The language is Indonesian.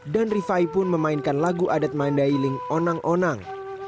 dan rifai pun memainkan lagu adat mandailing onang onang